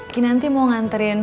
ki nanti mau nganterin